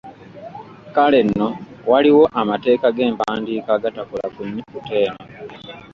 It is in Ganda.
Kale nno waliwo amateeka g’empandiika agatakola ku nnyukuta eno.